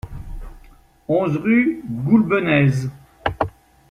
onze rue Goulbenèze